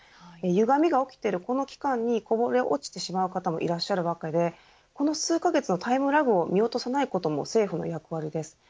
ゆがみが起きているこの期間にこぼれ落ちてしまう方もいらっしゃるわけでこの数カ月のタイムラグを見落とさないことも政府の役割です。